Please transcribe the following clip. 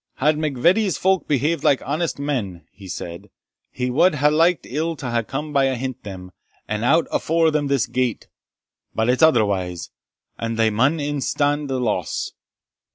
Had MacVittie's folk behaved like honest men," he said, "he wad hae liked ill to hae come in ahint them, and out afore them this gate. But it's otherwise, and they maun e'en stand the loss."